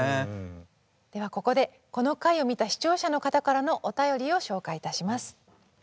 ではここでこの回を見た視聴者の方からのお便りを紹介いたします。